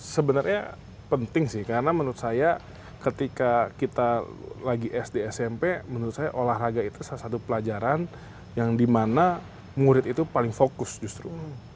sebenarnya penting sih karena menurut saya ketika kita lagi sd smp menurut saya olahraga itu salah satu pelajaran yang dimana murid itu paling fokus justru